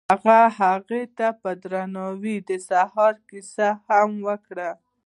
هغه هغې ته په درناوي د سهار کیسه هم وکړه.